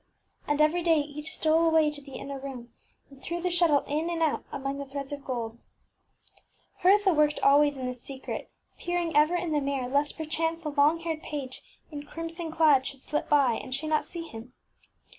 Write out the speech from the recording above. And every day each stole away to the inner room, and threw the shuttle in and out among the threads of gold. Hertha worked al ways in secret, peering ever in the mirror, lest perchance the long haired page in crimson clad should slip by and she not see him.